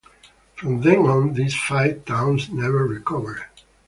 From then on, these five towns never recovered.